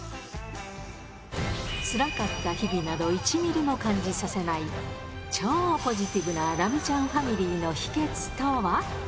つらかった日々など１ミリも感じさせない、超ポジティブなラミちゃんファミリーの秘けつとは？